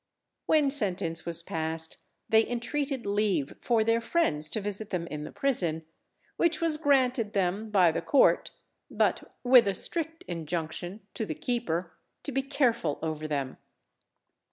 When sentence was passed, they entreated leave for their friends to visit them in the prison, which was granted them by the Court, but with a strict injunction to the keeper to be careful over them.